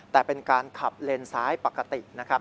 แต่เป็นการขับเลนซ้ายปกตินะครับ